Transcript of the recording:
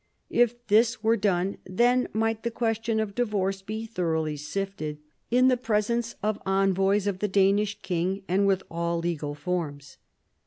If this were done, then might the question of divorce be thoroughly sifted, in the presence of envoys of the Danish king and with all legal forms.